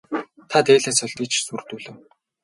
Та дээлээ солино биз гэж сүрдүүлэв.